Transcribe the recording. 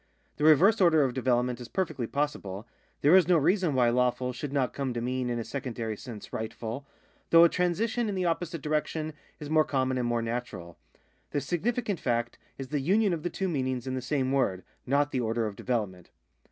The reverse order of development is perfectly possible ; there is no reason why lawful should not come to mean in a secondary sense rightful, though a transition in the opposite direction is more common and more natural. The significant fact is the union of the two meanings in the same word, not the order of development.